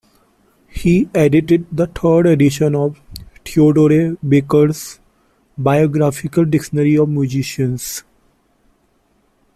He edited the third edition of Theodore Baker's "Biographical Dictionary of Musicians".